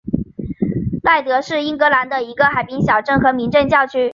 赖德是英格兰的一个海滨小镇和民政教区。